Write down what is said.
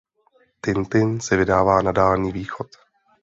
Tintin se vydává na Dálný východ.